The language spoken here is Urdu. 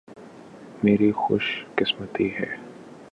میری خوش قسمتی ہے۔